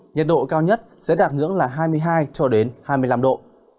nhiệt độ cao nhất sẽ đạt ngưỡng là hai mươi hai cho đến hai mươi năm độ